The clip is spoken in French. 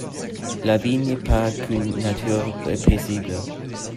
La vie n’est pas qu’une nature paisible.